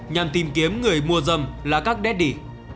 nhằm tìm kiếm người mua dâm là các daddy